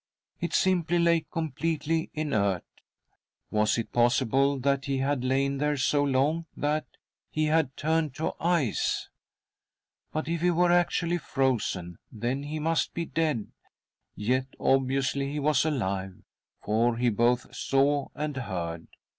It simply lay completely inert ! Was it possible that he had lain there so long that, he had turned to ice ? But if he were actually frozen, then he must be dead— yet obviously he was alive, for he both saw and heard.